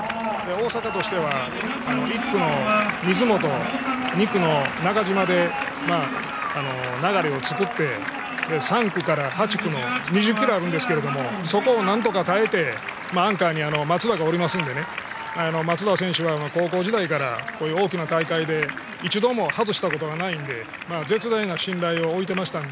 大阪としては１区の水本２区の中島で流れを作って３区から８区の２０ｋｍあるんですけどそこをなんとか耐えてアンカーに松田がおりますので松田は高校時代から大きな大会で一度も外したことがないので絶大な信頼を置いていましたんで。